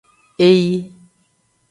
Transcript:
Eyi.